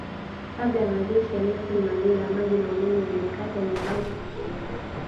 Kabla ya mazishi ya Nelson Mandela maji na umeme vilikata nyumbani kwa Mandela